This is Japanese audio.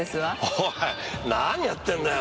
おい何やってんだよ。